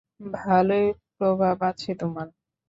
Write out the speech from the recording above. ভালোই প্রভাব আছে তোমার।